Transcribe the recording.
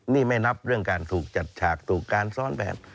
นี่ไม่นับเรื่องการถูกจัดฉากถูกการซ้อนแบบ